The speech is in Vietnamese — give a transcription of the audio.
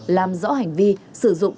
làm rõ hành vi sử dụng